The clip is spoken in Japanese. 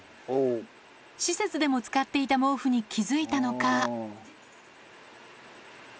施設でも使っていた毛布に気付いたのか。